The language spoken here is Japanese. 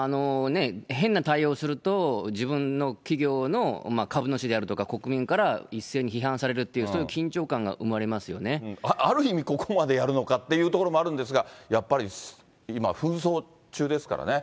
変な対応をすると、自分の企業の株主であるとか、国民から一斉に批判されるっていう、ある意味、ここまでやるのかっていうところもあるんですが、やっぱり今、紛争中ですからね。